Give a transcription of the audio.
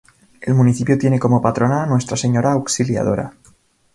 El municipio tiene como patrona a Nuestra Señora Auxiliadora.